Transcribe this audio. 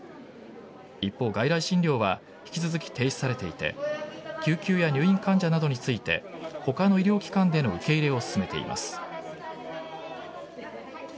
一方、外来診療は引き続き停止されていて救急や入院患者などについて他の医療機関での受け入れを進めています。